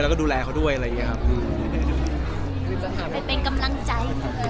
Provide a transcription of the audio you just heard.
เป็นกำลังใจ